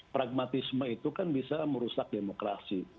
pragmatisme itu kan bisa merusak demokrasi